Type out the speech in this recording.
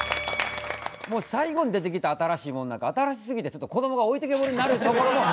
もう最後に出てきた新しいものなんか新しすぎてちょっとこどもが置いてきぼりになるところも。